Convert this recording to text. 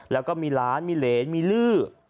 แล้วก็มีหลานมีเหรนมีลื้อ